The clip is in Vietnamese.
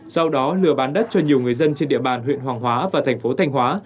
sau đó lừa bán đất cho nhiều người dân trên địa bàn huyện hoàng hóa và thành phố thanh hóa